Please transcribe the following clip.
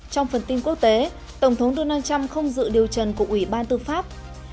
trong phần tin quốc tế tổng thống donald trump không dự điều trần của ủy ban tư pháp